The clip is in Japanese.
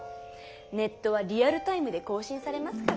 ネットはリアルタイムで更新されますから。